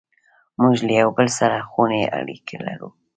موږ له یو بل سره خوني اړیکې لرو.